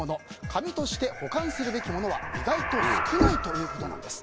紙として保管すべきものは意外と少ないということなんです。